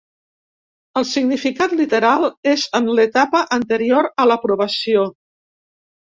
El significat literal és en l'etapa anterior a l'aprovació.